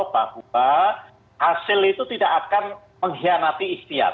bahwa hasil itu tidak akan mengkhianati ikhtiar